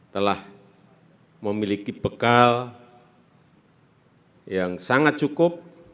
telah memiliki bekal yang sangat cukup